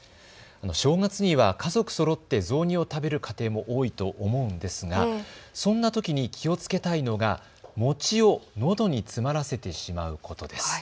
正月には家族そろって雑煮を食べる家庭も多いと思うんですがそんなときに気をつけたいのが、餅をのどに詰まらせてしまうことです。